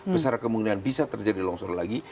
besar kemungkinan bisa terjadi longsor lagi